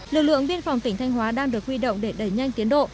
lực lượng biên phòng tỉnh thanh hóa đang được huy động để đẩy nhanh tiến độ